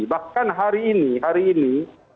bahkan hari ini hari ini